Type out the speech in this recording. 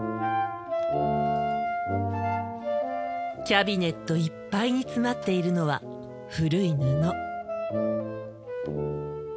キャビネットいっぱいに詰まっているのは古い布。